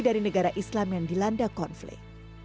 dari negara islam yang dilanda konflik